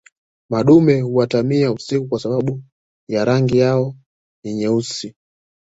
madume huatamia usiku kwa sababu ya rangi yao ni nyeusi